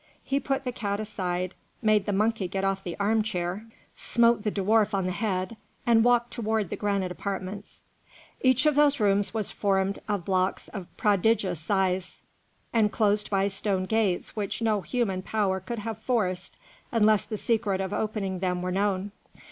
He put the cat aside, made the monkey get off the armchair, smote the dwarf on the head, and walked toward the granite apartments. Each of those rooms was formed of blocks of prodigious size, and closed by stone gates which no human power could have forced unless the secret of opening them were known.